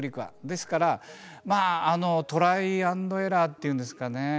ですからトライアンドエラーっていうんですかね